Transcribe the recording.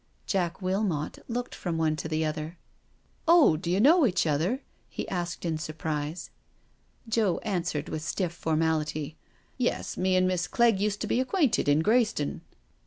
Jack Wilmot looked from one to the other. "Oh, do you know each other?" he asked in sur prise. Joe answered with stiff formality: "Yes, me and Miss Clegg used to be acquainted in Greyston."